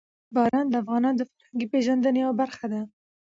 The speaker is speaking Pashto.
باران د افغانانو د فرهنګي پیژندنې یوه برخه ده.